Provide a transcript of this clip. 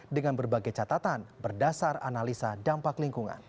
dengan berbagai catatan berdasar analisa dampak lingkungan